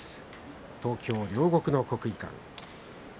東京・両国の国技館。